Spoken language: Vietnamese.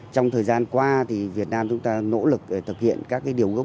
trong thời gian qua thì việt nam chúng ta nỗ lực để thực hiện các điều gốc